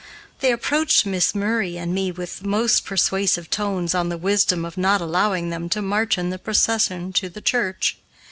They approached Miss Murray and me with most persuasive tones on the wisdom of not allowing them to march in the procession to the church.